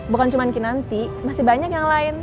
bukan cuma kinanti masih banyak yang lain